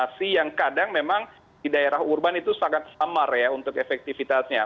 oleh karena itu yang paling baik sebenarnya itu bahwa di daerah urban itu sangat samar ya untuk efektifitasnya